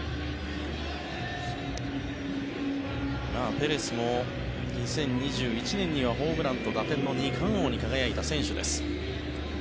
ペレスも２０２１年にはホームランと打点の２冠王に輝いた選手です。